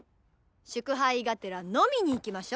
祝杯がてら飲みに行きましょ！